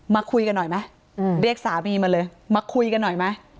มาคุยกันหน่อยไหมเรียกสามีมาเลยมาคุยกันหน่อยไหม